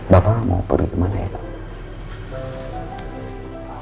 bapak mau pergi ke mana ya pak